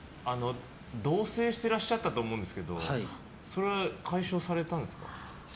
同棲していらっしゃったと思うんですがそれは解消されたんですか？